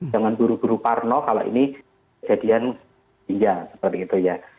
jangan buru buru parno kalau ini kejadian ginjal seperti itu ya